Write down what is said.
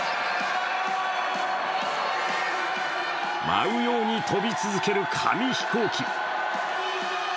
舞うように飛び続ける紙飛行機。